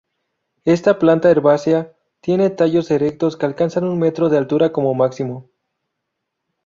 Esta planta herbácea tiene tallos erectos que alcanzan un metro de altura como máximo.